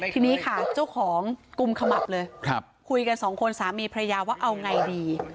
ทีนี้ค่ะเจ้าของกุมขมับเลยคุยกันสองคนสามีพระยาว่าเอาไงดี